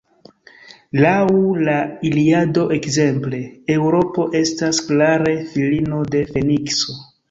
Laŭ la Iliado, ekzemple, Eŭropo estas klare filino de Fenikso.